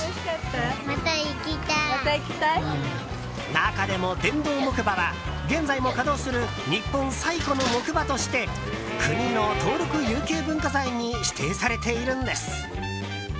中でも電動木馬は現在も稼働する日本最古の木馬として国の登録有形文化財に指定されているんです。